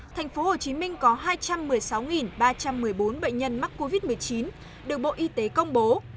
tp hcm có hai trăm một mươi sáu ba trăm một mươi bốn bệnh nhân mắc covid một mươi chín được bộ y tế công bố